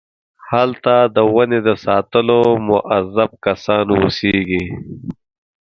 هلته د ونې د ساتلو موظف کسان اوسېږي.